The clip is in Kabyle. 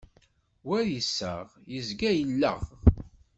War iseɣ, yezga yelleɣ.